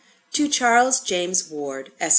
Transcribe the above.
TO CHARLES JAMES WARD, ESQ.